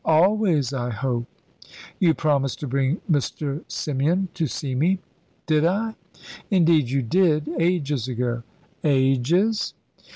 "Always, I hope." "You promised to bring Mr. Symeon to see me." "Did I?" "Indeed you did. Ages ago." "Ages?"